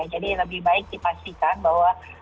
jadi lebih baik dipastikan bahwa